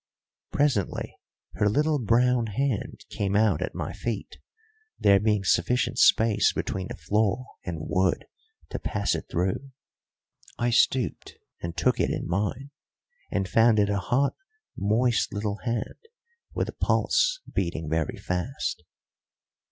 Presently her little brown hand came out at my feet, there being sufficient space between the floor and wood to pass it through. I stooped and took it in mine, and found it a hot, moist little hand, with a pulse beating very fast.